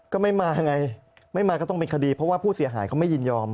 ก็ไม่มาไงไม่มาก็ต้องเป็นคดีเพราะว่าผู้เสียหายเขาไม่ยินยอม